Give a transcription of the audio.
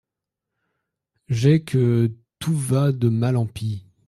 J’ai que tout va de mal en pis !…